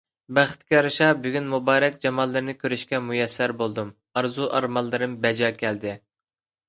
بەختكە يارىشا، بۈگۈن مۇبارەك جاماللىرىنى كۆرۈشكە مۇيەسسەر بولدۇم، ئارزۇ - ئارمانلىرىم بەجا كەلدى.